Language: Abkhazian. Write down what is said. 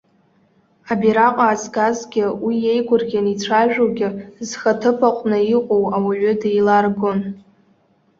Абираҟ аазгазгьы уи иеигәырӷьаны ицәажәогьы зхы аҭыԥ аҟны иҟоу ауаҩы деиларгон.